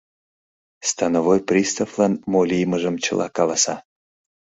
Становой приставлан мо лиймыжым чыла каласа.